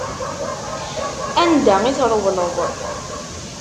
Anda i trewleḍ?